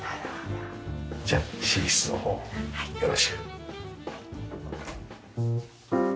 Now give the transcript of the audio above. じゃあ寝室の方をよろしく。